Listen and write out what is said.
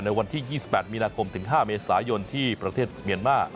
วันที่๒๘มีนาคมถึง๕เมษายนที่ประเทศเมียนมา